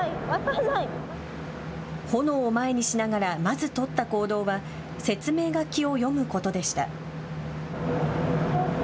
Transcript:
炎を前にしながらまず取った行動は説明書きを読むことでした。